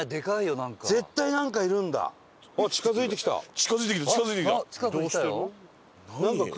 近付いてきた近付いてきた！